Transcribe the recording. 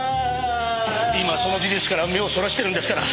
今その事実から目をそらしているんですから。